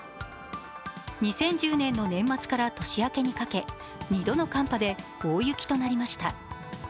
２０１０年の年末から年明けにかけ２度の寒波で大雪となりました。